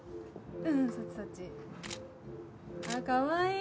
うんうんそっちそっちかわいい